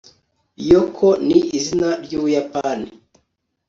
yoko ni izina ry'ubuyapani